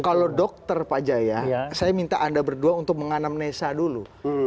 kalau dokter pak jaya saya minta anda berdua untuk menganam nesa dulu